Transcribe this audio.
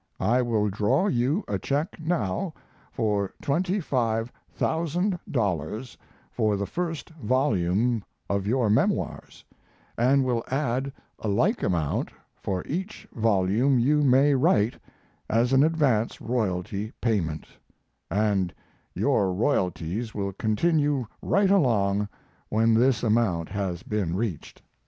I will draw you a check now for twenty five thousand dollars for the first volume of your memoirs, and will add a like amount for each volume you may write as an advance royalty payment, and your royalties will continue right along when this amount has been reached."